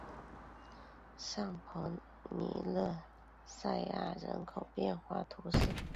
尚帕涅勒塞克人口变化图示